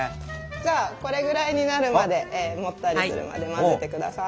じゃあこれぐらいになるまでもったりするまで混ぜてください。